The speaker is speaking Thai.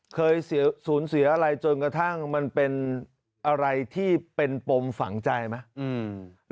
เคยสูญเสียอะไรจนกระทั่งมันเป็นอะไรที่เป็นปมฝังใจไหม